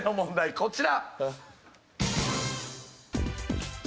こちら。